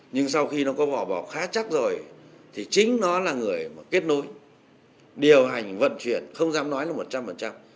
nhưng sau khi nó có vỏ bọc khá chắc rồi thì chính nó là người mà kết nối điều hành vận chuyển không dám nói là một trăm linh